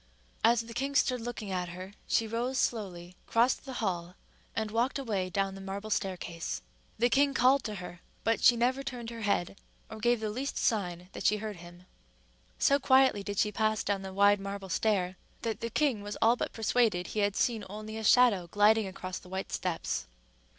As the king stood looking at her, she rose slowly, crossed the hall, and walked away down the marble staircase. The king called to her; but she never turned her head, or gave the least sign that she heard him. So quietly did she pass down the wide marble stair, that the king was all but persuaded he had seen only a shadow gliding across the white steps.